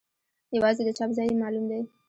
یوازې د چاپ ځای یې معلوم دی.